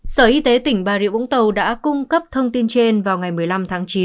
sở y tế tỉnh bà rịa vũng tàu đã cung cấp thông tin trên vào ngày một mươi năm tháng chín